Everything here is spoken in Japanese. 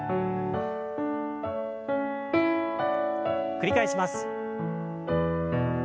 繰り返します。